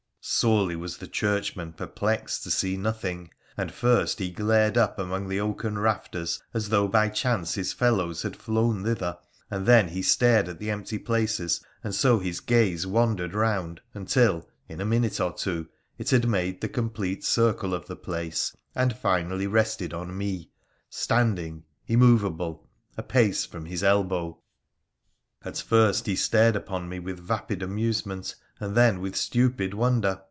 Sorely was the Churchman perplexed to see nothing ; and first he glared up among the oaken rafters, as though by chance his fellows had flown thither, and then he stared at the empty places, and so his gaze wandered round, until, in a minute or two, it had made the complete circle of the place, and finally rested on me, standing, immovable, a pace from his elbow. At first he stared upon me with vapid amusement, and then with stupid wonder.